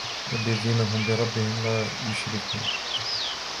وَالَّذِينَ هُمْ بِرَبِّهِمْ لَا يُشْرِكُونَ